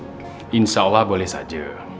insya allah boleh saja